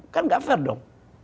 kan tidak fair dong